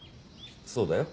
そうだよ。